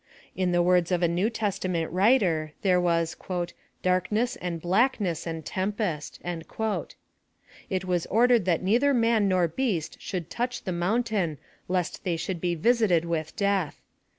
In the words of a New Testament writer, there was «< darkness, and blackness, and tempest." It was ordered that neither man nor beast should touch the mountain lest they should be visited with death.